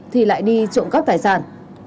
thì lại đi trộm các tài sản